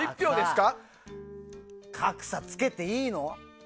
格差つけていいの？